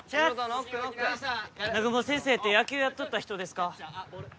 ・ノックノック南雲先生って野球やっとった人ですか？